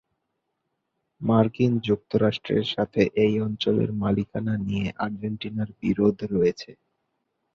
মার্কিন যুক্তরাষ্ট্রের সাথে এই অঞ্চলের মালিকানা নিয়ে আর্জেন্টিনার বিরোধ রয়েছে।